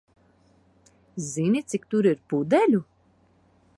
Zini, cik tur ir pudeļu?